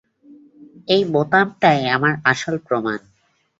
এই বোতামটাই আমাদের আসল প্রমাণ।